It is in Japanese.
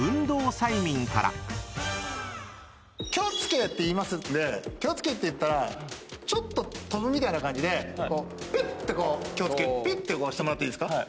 気を付けと言いますんで気を付けって言ったらちょっと跳ぶみたいな感じでぴってこう気を付けぴってしてもらっていいですか。